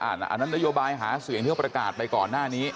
อันนั้นนโยบายหาเสียงที่เขาประกาศไปก่อนหน้านี้